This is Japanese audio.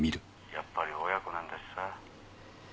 やっぱり親子なんだしさ。